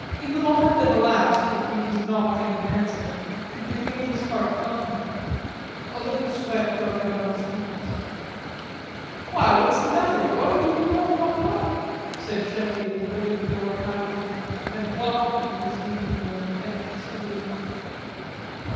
In the moment that elapsed between his knock and an answer, he could feel his heart thumping. A little sweat broke out on his temples. "Why, what's the matter, boy? You look all wrought up," said Sheffield, holding the door half open, and blocking, with his lean form, entrance to the room.